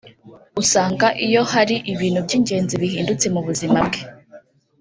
usanga iyo hari ibintu by’ingenzi bihindutse mu buzima bwe